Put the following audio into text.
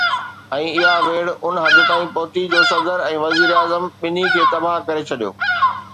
۽ اها ويڙهه ان حد تائين پهتي جو صدر ۽ وزير اعظم ٻنهي کي تباهه ڪري ڇڏيو.